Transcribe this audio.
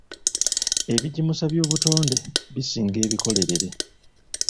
Ebigimusa by'obutonde bisinga ebikolerere.